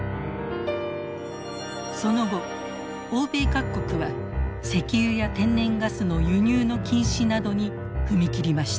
その後欧米各国は石油や天然ガスの輸入の禁止などに踏み切りました。